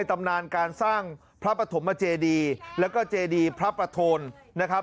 ตำนานการสร้างพระปฐมเจดีแล้วก็เจดีพระประโทนนะครับ